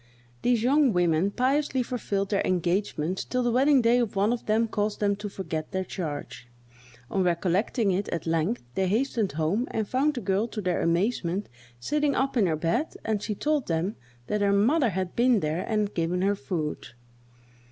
These young women piously fulfilled their engagement till the wedding day of one of them caused them to forget their charge. On recollecting it, at length, they hastened home, and found the girl, to their amazement, sitting up in her bed, and she told them that her mother had been there and given her food.